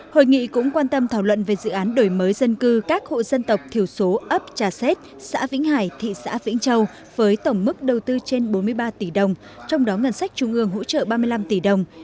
hội nghị cũng quan tâm thảo luận về dự án đổi mới dân cư các hộ dân tộc thiểu số ấp trà xét xã vĩnh hải thị xã vĩnh châu với tổng mức đầu tư trên bốn mươi ba tỷ đồng trong đó ngân sách trung ương hỗ trợ ba mươi năm tỷ đồng